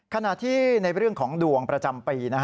ขณะที่ในเรื่องของดวงประจำปี